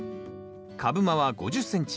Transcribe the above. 株間は５０ｃｍ。